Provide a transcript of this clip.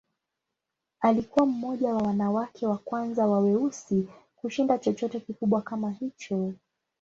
Alikuwa mmoja wa wanawake wa kwanza wa weusi kushinda chochote kikubwa kama hicho.